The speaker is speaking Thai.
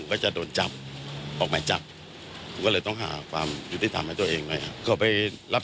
ก็ประมาณไม่น่าเกิน๒เมตรครับ